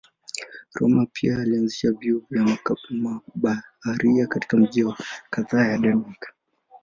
Rømer pia alianzisha vyuo kwa mabaharia katika miji kadhaa ya Denmark.